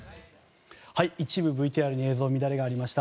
一部ＶＴＲに映像の乱れがありました。